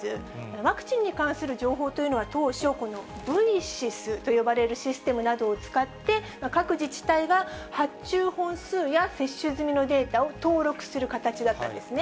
ワクチンに関する情報というのは当初、このブイシスと呼ばれるシステムなどを使って、各自治体が発注本数や接種済みのデータを登録する形だったんですね。